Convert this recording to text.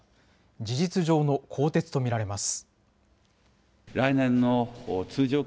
事実上の更迭と見られます。